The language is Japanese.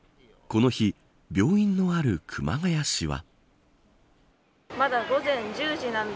この日病院のある熊谷市は。